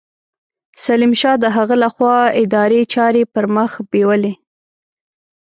سلیم شاه د هغه له خوا اداري چارې پرمخ بېولې.